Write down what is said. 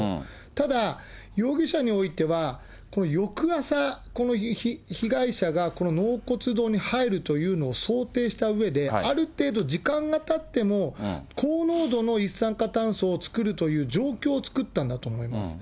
ただ、容疑者においては、翌朝、この被害者がこの納骨堂に入るというのを想定したうえで、ある程度時間がたっても、高濃度の一酸化炭素を作るという状況を作ったんだと思います。